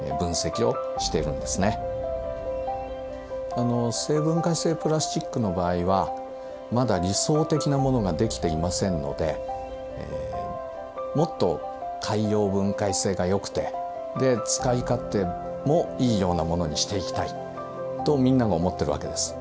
あの生分解性プラスチックの場合はまだ理想的なものができていませんのでもっと海洋分解性がよくてで使い勝手もいいようなものにしていきたいとみんなが思ってるわけです。